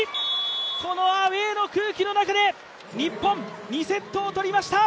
このアウェーの空気の中で日本、２セットを取りました。